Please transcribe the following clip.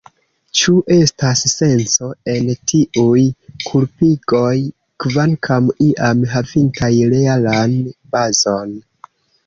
Ĉu estas senco en tiuj kulpigoj, kvankam iam havintaj realan bazon?